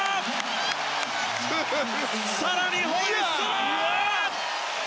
更にホイッスル！